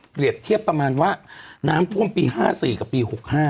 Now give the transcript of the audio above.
เทียบประมาณว่าน้ำท่วมปี๕๔กับปี๖๕